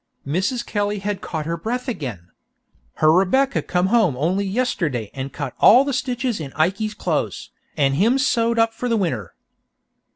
Mrs. Kelly had caught her breath again. "Her Rebecca come home only yestidy an' cut all the stitches in Ikey's clo'es, an' him sewed up for the winter."